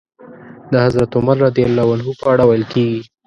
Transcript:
د حضرت عمر رض په اړه ويل کېږي.